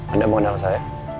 anda mengenal saya